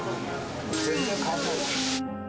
全然変わらない。